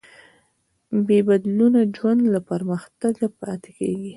بېبدلونه ژوند له پرمختګه پاتې کېږي.